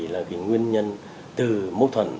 là nguyên nhân từ mối thuận